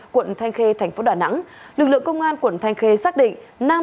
quận thanh khê tp đà nẵng lực lượng công an quận thanh khê xác định